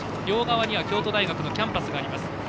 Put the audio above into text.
両側には京都大学のキャンパスがあります。